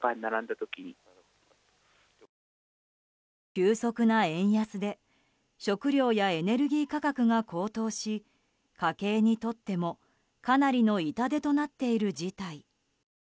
急速な円安で食料やエネルギー価格が高騰し家計にとってもかなりの痛手となっている事態。